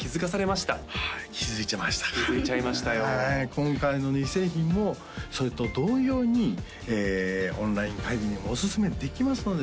今回の２製品もそれと同様にオンライン会議にもおすすめできますので